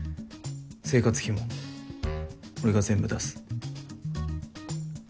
生活費も俺が全部出す。